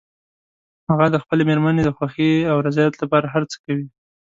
هغه د خپلې مېرمنې د خوښې او رضایت لپاره هر څه کوي